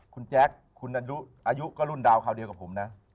คุณแจ๊คคุณอายุก็รุ่นดาวคราวเดียวกับผมนะ